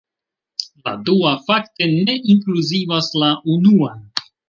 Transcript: La dua, fakte, ne inkluzivas la unuan.